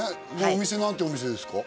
お店何てお店ですか？